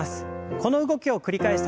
この動きを繰り返した